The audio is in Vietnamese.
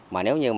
mà nếu như